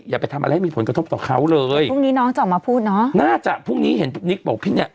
อย่าไปทำอะไรให้มีผลกระทบต่อเขาเลยพรุ่งนี้น้องจะออกมาพูดเนอะน่าจะพรุ่งนี้เห็นนิกบอกพี่เนี้ย